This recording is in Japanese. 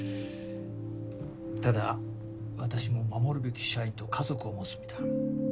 ただ私も守るべき社員と家族を持つ身だ。